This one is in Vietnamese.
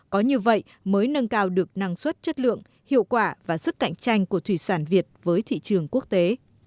có như vậy mới nâng cao được năng suất chất lượng hiệu quả và sức cạnh tranh của thủy sản việt với thị trường quốc tế